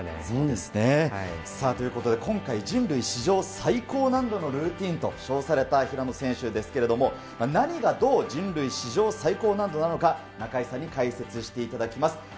そうですね。ということで、今回、人類史上最高難度のルーティンと称された平野選手ですけれども、何がどう、人類史上最高難度なのか、中井さんに解説していただきます。